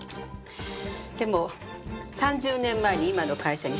でも３０年前に今の会社に出向になりました。